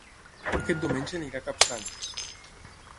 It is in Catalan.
Aquest diumenge aniré a Capçanes